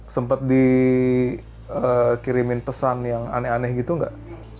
sempet di kirimin pesan yang aneh aneh gitu gak